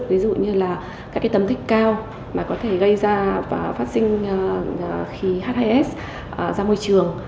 ví dụ như là các cái tấm thích cao mà có thể gây ra và phát sinh khí h hai s ra môi trường